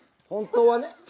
本当はね。